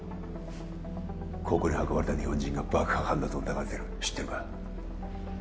ここに運ばれた日本人が爆破犯だと疑われてる知ってるか？